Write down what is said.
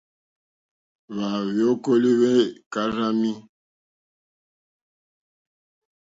Hwa hweokoweli hwe karzami.